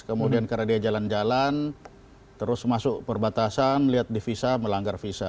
kemudian karena dia jalan jalan terus masuk perbatasan melihat divisa melanggar visa